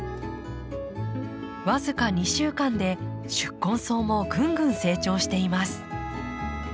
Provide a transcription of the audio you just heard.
僅か２週間で宿根草もぐんぐん成長しています。